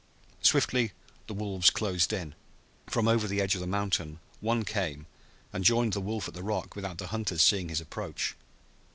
Swiftly the wolves closed in. From over the edge of the mountain one came and joined the wolf at the rock without the hunters seeing his approach.